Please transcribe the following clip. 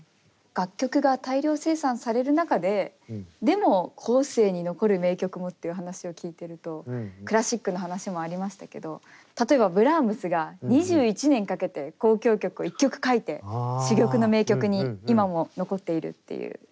楽曲が大量生産される中ででも後世に残る名曲もっていう話を聞いてるとクラシックの話もありましたけど例えばブラームスが２１年かけて交響曲を一曲書いて珠玉の名曲に今も残っているっていう。